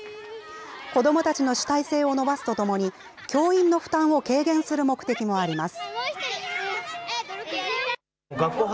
子どもたちの主体性を伸ばすとともに、教員の負担を軽減する目的もあります。